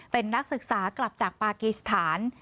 เป็นนักศึกษากลับจากปากีสถาน